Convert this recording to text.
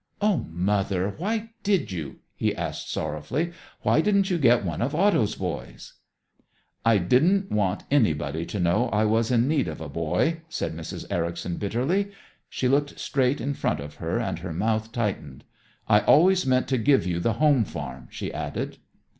"Oh, Mother, why did you?" he asked sorrowfully. "Why didn't you get one of Otto's boys?" "I didn't want anybody to know I was in need of a boy," said Mrs. Ericson bitterly. She looked straight in front of her and her mouth tightened. "I always meant to give you the home farm," she added.